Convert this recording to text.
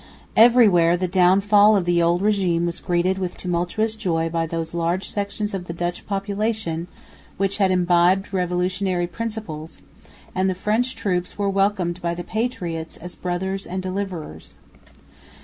Everywhere the downfall of the old régime was greeted with tumultuous joy by those large sections of the Dutch population which had imbibed revolutionary principles; and the French troops were welcomed by the "patriots" as brothers and deliverers.